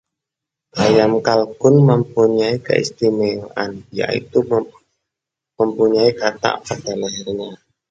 ayam kalkun mempunyai keistimewaan, yaitu mempunyai katak pada lehernya